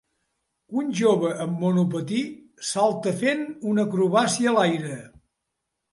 un jove amb monopatí salta fent una acrobàcia a l'aire.